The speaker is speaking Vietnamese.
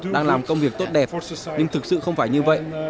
đang làm công việc tốt đẹp nhưng thực sự không phải như vậy